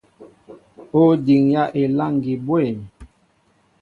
Ó diŋyá elâŋgi bwɛ̂m ?